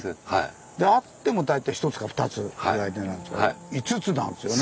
あっても大体１つか２つぐらいでなんですけど５つなんですよね。